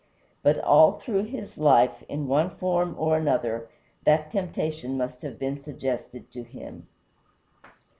But all through his life, in one form or another, that temptation must have been suggested to him.